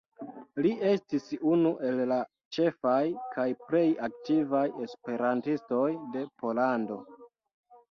Li estis unu el la ĉefaj kaj plej aktivaj esperantistoj de Pollando.